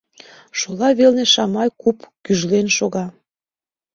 Шола велне Шамай куп гӱжлен шога.